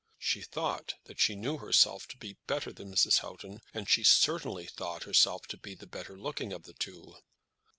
She thought that she knew herself to be better than Mrs. Houghton, and she certainly thought herself to be the better looking of the two.